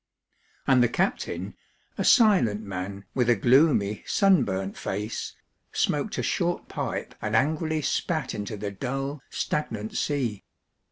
And the captain, a silent man with a gloomy, sunburnt face, smoked a short pipe and angrily spat into the dull, stagnant sea.